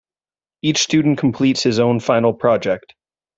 Each student completes his own final project.